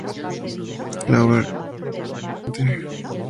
La obra se repitió el año siguiente.